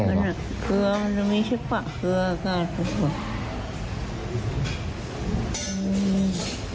เกลียเขามันจะไม่ใช่ปล่าเกลียวก็